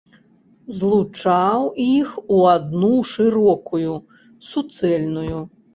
Злучаў іх у адну шырокую, суцэльную.